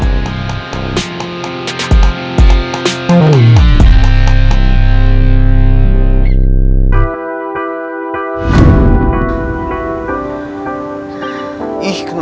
sampai jumpa di video selanjutnya